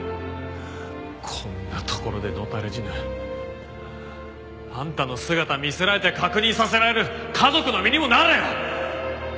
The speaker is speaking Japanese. こんな所で野垂れ死ぬあんたの姿見せられて確認させられる家族の身にもなれ！